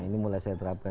ini mulai saya terapkan